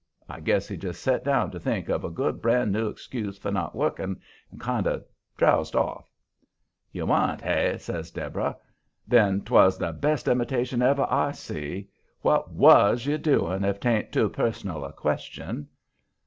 I guess he just set down to think of a good brand new excuse for not working, and kind of drowsed off. "You wa'n't hey?" says Deborah. "Then 'twas the best imitation ever I see. What WAS you doing, if 'tain't too personal a question?"